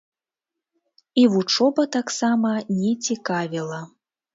І вучоба таксама не цікавіла.